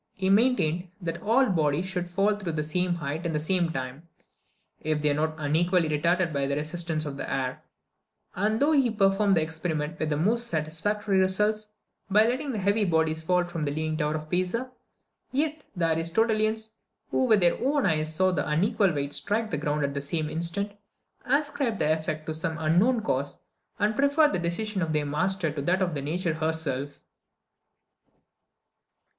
He maintained, that all bodies would fall through the same height in the same time, if they were not unequally retarded by the resistance of the air: and though he performed the experiment with the most satisfactory results, by letting heavy bodies fall from the leaning tower of Pisa, yet the Aristotelians, who with their own eyes saw the unequal weights strike the ground at the same instant, ascribed the effect to some unknown cause, and preferred the decision of their master to that of nature herself.